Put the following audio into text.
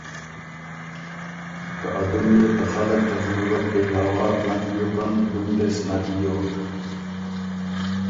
که ا ډُم يې ته خلق ته ضرورت پېداوار نک بیوکن ډُم دې سو نک بیوک۔